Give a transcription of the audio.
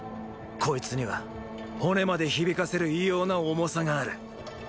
こいつには骨まで響かせる異様な“重さ”がある。